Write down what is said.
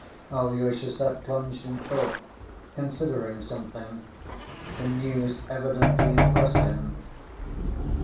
Alyosha sat plunged in thought, considering something. The news evidently impressed him.